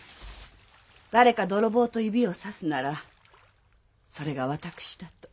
誰か泥棒と指をさすならそれが私だと。